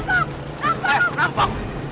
eh rampok rampok